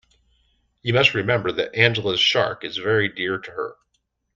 You must remember that Angela's shark is very dear to her.